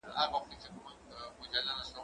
هغه وويل چي موسيقي ګټوره ده،